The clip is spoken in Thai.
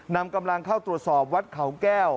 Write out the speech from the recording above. นำกำลังเข้าตรวจสอบวัดเขาแก้ว